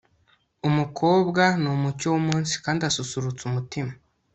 umukobwa ni umucyo w'umunsi kandi ususurutsa umutima